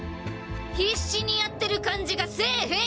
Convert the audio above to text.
必死にやってる感じがせえへん